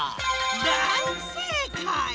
だいせいかい！